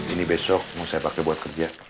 ini besok mau saya pakai buat kerja